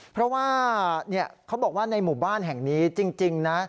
เพราะว่าเขาบอกว่าในหมู่บ้านแห่งนี้จริงนะ